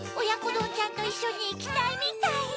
どんちゃんといっしょにいきたいみたい。